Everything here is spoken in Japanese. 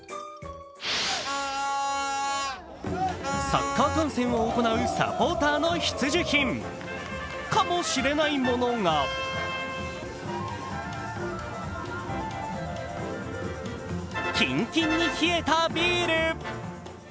サッカー観戦を行うサポーターの必需品、かもしれないものがキンキンに冷えたビール。